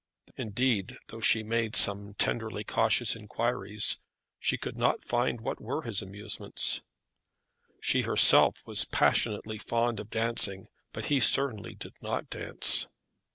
Indeed, though she made some tenderly cautious inquiries, she could not find what were his amusements. She herself was passionately fond of dancing, but he certainly did not dance.